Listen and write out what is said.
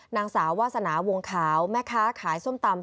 นางสาววาสนาวงขาวแม่ค้าขายส้มตำ